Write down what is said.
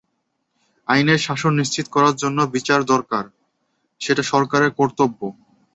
আইনের শাসন নিশ্চিত করার জন্য বিচার করা দরকার, সেটা সরকারের কর্তব্য।